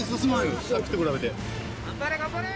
頑張れ頑張れ！